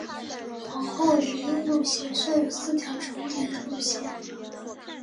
皇后林荫路线设有四条重叠的路线。